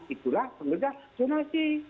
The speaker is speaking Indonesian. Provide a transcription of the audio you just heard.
itulah tentunya zonasi